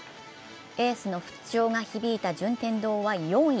エースの不調が響いた順天堂は４位。